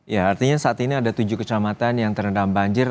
ya artinya saat ini ada tujuh kecamatan yang terendam banjir